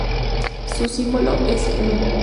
Su símbolo es µm.